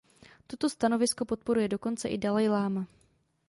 Toto stanovisko podporuje dokonce i dalajláma.